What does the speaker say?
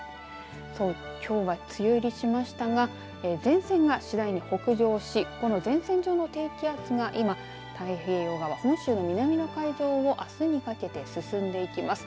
きょうは梅雨入りしましたが前線が次第に北上し前線上の低気圧が今太平洋側本州の南の海上をあすにかけて進んでいきます。